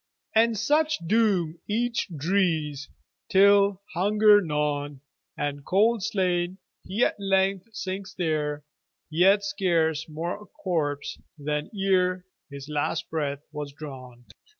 And such doom each drees, Till, hunger gnawn, And cold slain, he at length sinks there, Yet scarce more a corpse than ereHis last breath was drawn.